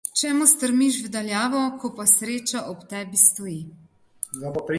Čemu strmiš v daljavo, ko pa sreča ob tebi stoji.